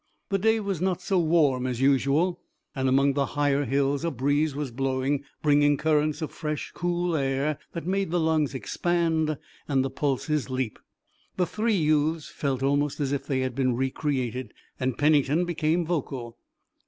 The day was not so warm as usual, and among the higher hills a breeze was blowing, bringing currents of fresh, cool air that made the lungs expand and the pulses leap. The three youths felt almost as if they had been re created, and Pennington became vocal.